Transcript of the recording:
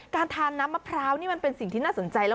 การทานน้ำมะพร้าวเป็นสิ่งที่น่าสนใจ